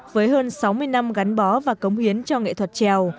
với hơn sáu mươi năm gắn bó và cống hiến cho nghệ thuật trèo